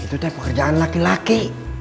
itu dia pekerjaan laki laki